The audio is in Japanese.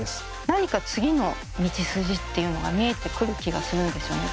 何か次の道筋っていうのが見えてくる気がするんですよね。